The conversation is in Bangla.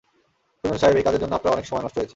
সুনীল সাহেব, এই কাজের জন্য আপনার অনেক সময় নষ্ট হয়েছে।